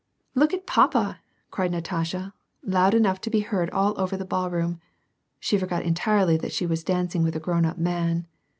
" Look at papa !" cried Natasha, loud enough to be heard all over the ballroom. (She forgot entirely that she was dancing with a grown up man!)